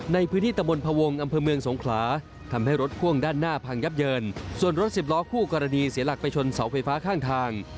ในพื้นที่ตะบนพวงอำเภอเมืองสงขลาทำให้รถพ่วงด้านหน้าพังยับเยินส่วนรถสิบล้อคู่กรณีเสียหลักไปชนเสาไฟฟ้าข้างทาง